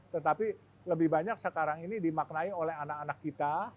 tetapi lebih banyak sekarang ini dimaknai oleh anak anak kita